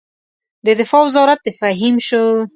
د دفاع وزارت د فهیم شو.